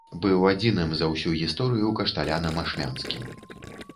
Быў адзіным за ўсю гісторыю кашталянам ашмянскім.